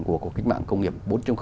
của cuộc kinh mạng công nghiệp bốn